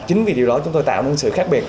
chính vì điều đó chúng tôi tạo nên sự khác biệt